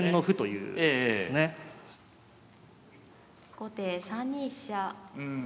後手３二飛車。